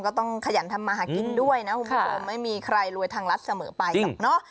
เราก็ต้องขยันทำมาหากินด้วยนะคุณผู้ชมไม่มีใครรวยทางรัฐเสมอไป